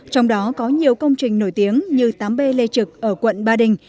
trong đó có nhiều công trình nổi tiếng như tám b lê trực ở quận ba đình